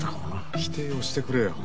否定をしてくれよ。